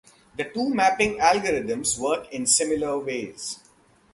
The two mapping algorithms work in similar ways.